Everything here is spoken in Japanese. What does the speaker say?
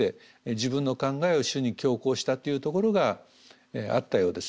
自分の考えを主に強行したっていうところがあったようです。